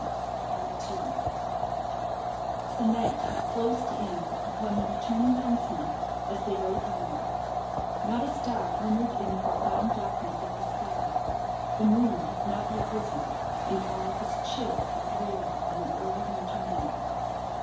The night had closed in upon the returning huntsmen as they rode homewards. Not a star glimmered in the profound darkness of the sky. The moon had not yet risen, and all was chill and dreary in the early winter night.